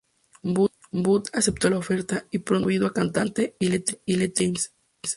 Booth aceptó la oferta, y pronto fue promovido a cantante y letrista de James.